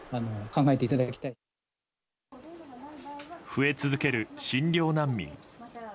増え続ける診療難民。